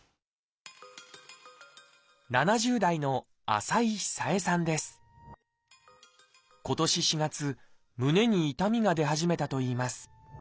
７０代の今年４月胸に痛みが出始めたといいます